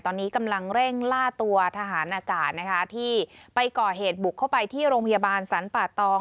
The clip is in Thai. ตอนนี้กำลังเร่งล่าตัวทหารอากาศนะคะที่ไปก่อเหตุบุกเข้าไปที่โรงพยาบาลสรรป่าตอง